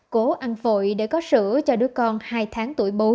cố ăn vội để có sữa cho đứa con